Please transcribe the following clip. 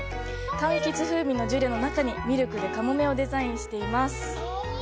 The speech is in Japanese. かんきつ風味のジュレの中にミルクでかもめをデザインしています。